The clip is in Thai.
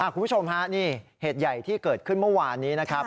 คุณผู้ชมฮะนี่เหตุใหญ่ที่เกิดขึ้นเมื่อวานนี้นะครับ